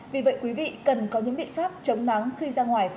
vì vậy quý vị cần có những biện pháp chống nắng khi ra ngoài